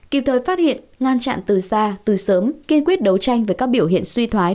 kịp thời phát hiện ngăn chặn từ xa từ sớm kiên quyết đấu tranh với các biểu hiện suy thoái